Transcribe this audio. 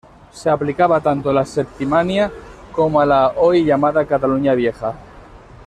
Se aplicaba tanto a la Septimania como a la hoy llamada Cataluña Vieja.